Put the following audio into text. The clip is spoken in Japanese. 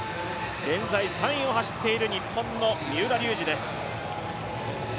現在３位を走っている日本の三浦龍司です。